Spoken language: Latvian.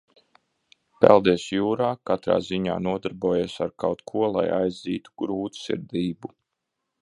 Peldies jūrā, katrā ziņā nodarbojies ar kaut ko, lai aizdzītu grūtsirdību.